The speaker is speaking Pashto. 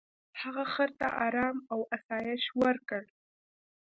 هغه خر ته ارام او آسایش ورکړ.